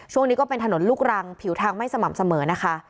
ก็เป็นถนนลูกรังผิวทางไม่สม่ำเสมอนะคะ